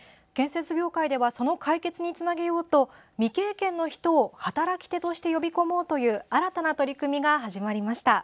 建設業界ではその解決につなげようと未経験の人を働き手として呼び込もうという新たな取り組みが始まりました。